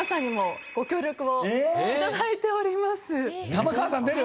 玉川さん出る？